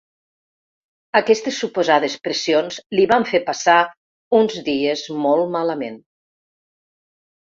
Aquestes suposades pressions li van fer passar “uns dies molt malament”.